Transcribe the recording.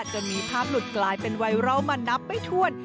จนมีภาพหลุดกลายเป็นไวรัลมานับไม่ถ้วน